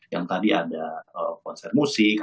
yang tadi ada konser musik